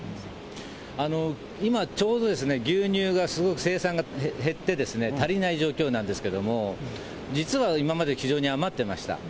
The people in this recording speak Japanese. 今ちょうど牛乳がすごく生産が減って、足りない状況なんですけれども、実は今まで非常に余ってました。